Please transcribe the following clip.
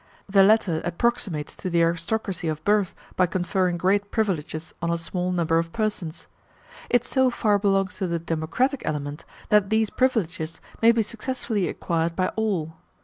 The latter approximates to the aristocracy of birth by conferring great privileges on a small number of persons; it so far belongs to the democratic element, that these privileges may be successively acquired by all.